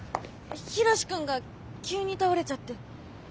ヒロシ君が急に倒れちゃって。